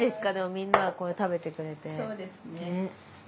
みんながこう食べてくれて。